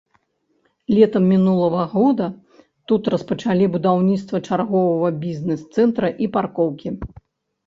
Летам мінулага года тут распачалі будаўніцтва чарговага бізнес-цэнтра і паркоўкі.